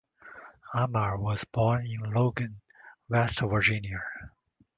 Ammar was born in Logan, West Virginia.